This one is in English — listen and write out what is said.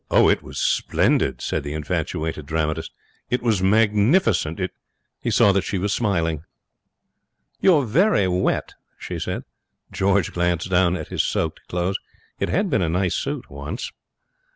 'It was splendid,' said the infatuated dramatist. 'It was magnificent. It ' He saw that she was smiling. 'You're very wet,' she said. George glanced down at his soaked clothes. It had been a nice suit once.